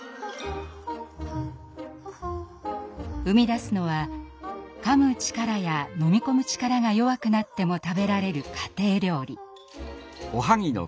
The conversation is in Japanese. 生み出すのはかむ力や飲み込む力が弱くなっても食べられる家庭料理。